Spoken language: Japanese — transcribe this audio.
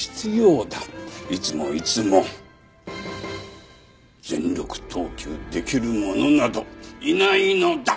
いつもいつも全力投球できる者などいないのだ！